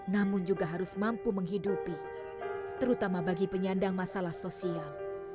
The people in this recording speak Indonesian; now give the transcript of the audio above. namun juga harus mampu menghidupi terutama bagi penyandang masalah sosial